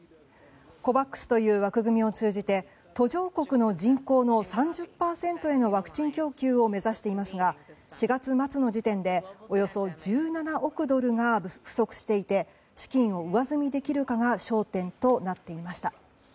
ＣＯＶＡＸという枠組みを通じて途上国の人口の３０％のワクチン供給を目指していますが４月末の時点でおよそ１７億ドルが不足していて資金を上積みできるかが焦点となっていました。